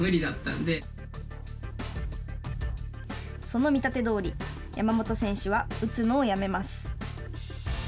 その見立てどおり山本選手は打つのをやめます。